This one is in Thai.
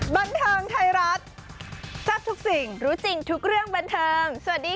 บันเทิงไทยรัฐแซ่บทุกสิ่งรู้จริงทุกเรื่องบันเทิงสวัสดีค่ะ